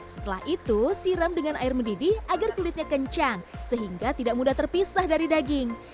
setelah itu siram dengan air mendidih agar kulitnya kencang sehingga tidak mudah terpisah dari daging